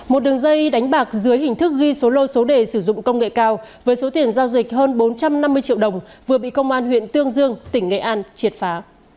một đường dây đánh bạc dưới hình thức ghi số lô số đề sử dụng công nghệ cao với số tiền giao dịch hơn bốn trăm năm mươi triệu đồng vừa bị công an huyện tương dương tỉnh nghệ an triệt phá